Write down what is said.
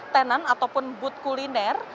tenan ataupun booth kuliner